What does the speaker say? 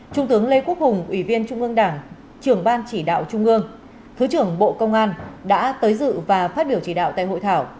trung tướng lê quốc hùng ủy viên trung ương đảng trưởng ban chỉ đạo trung ương thứ trưởng bộ công an đã tới dự và phát biểu chỉ đạo tại hội thảo